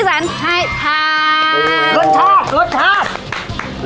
เจ้าคุณสุดสบายช่วยอะไร